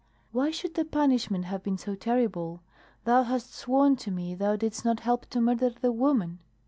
Why should the punishment have been so terrible? Thou hast sworn to me thou didst not help to murder the woman."